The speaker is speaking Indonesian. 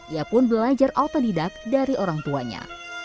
ia pun belajar auto didak dari orang tuanya